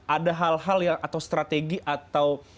ada hal hal atau strategi atau